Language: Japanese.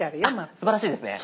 すばらしいですね。